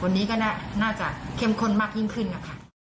วันนี้ก็น่าจะเข้มข้นมากยิ่งขึ้นนะคะ